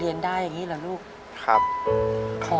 โดยโปรแกรมแม่รักลูกมาก